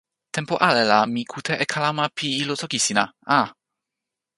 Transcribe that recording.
tenpo ale la mi kute e kalama pi ilo toki sina. a!